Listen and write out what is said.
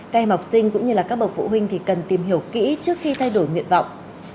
các em học sinh cũng như các bậc phụ huynh thì cần tìm hiểu kỹ trước khi thay đổi nguyện vọng